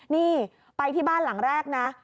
นี่ไปที่บ้านหลังแรกนะ